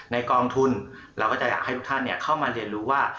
กองทุนเราก็จะอยากให้ทุกท่านเข้ามาเรียนรู้ว่า